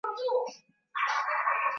Nataka kuendeleza hadithi yangu.